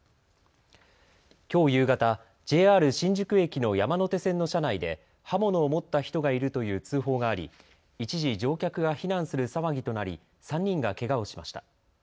きょう夕方、ＪＲ新宿駅の山手線の車内で刃物を持った人がいるという通報があり一時、乗客が避難する騒ぎとなり３人がけがをしました。